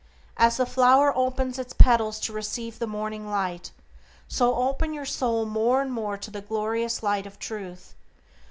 As the flower opens its petals to receive the morning light, so open your soul more and more to the glorious light of Truth.